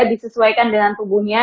disesuaikan dengan tubuhnya